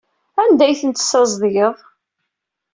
Anda ay tent-tessazedgeḍ?